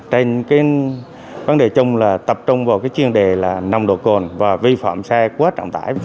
trên vấn đề chung là tập trung vào chuyên đề nồng độ cồn và vi phạm xe quá trọng tải